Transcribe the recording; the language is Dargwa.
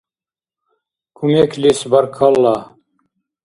Кумеклис баркалла!